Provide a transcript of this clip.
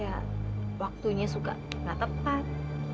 ya waktunya suka gak tepat